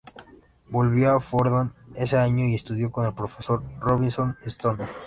Volvió a Fordham ese año y estudió con el profesor Robinson Stone.